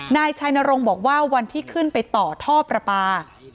นายชัยนรงค์บอกว่าวันที่ขึ้นไปต่อท่อประปา